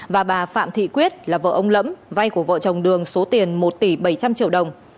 và bà phạm thị quyết là vợ ông lẫm vay của vợ chồng đường số tiền một tỷ bảy trăm linh triệu đồng